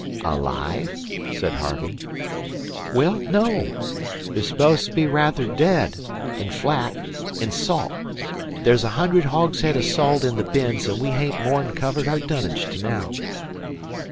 "Alive?" said Harvey. "Well, no. They're so's to be ruther dead an' flat an' salt. There's a hundred hogshead o' salt in the bins, an' we hain't more'n covered our dunnage to now."